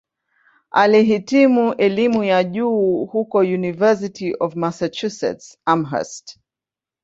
Alihitimu elimu ya juu huko "University of Massachusetts-Amherst".